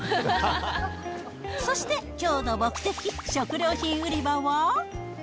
そして、きょうの目的、食料品売り場は？